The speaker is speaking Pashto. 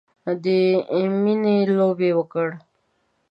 د میینې لوبې وکړې